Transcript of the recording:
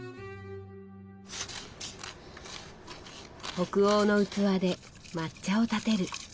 北欧の器で抹茶をたてる。